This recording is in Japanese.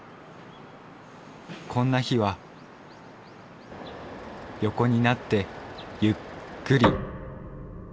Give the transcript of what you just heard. こんな日は横になってゆっくり。